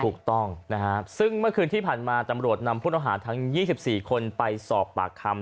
ถูกต้องนะครับซึ่งเมื่อคืนที่ผ่านมาตำรวจนำผู้ต้องหาทั้ง๒๔คนไปสอบปากคำ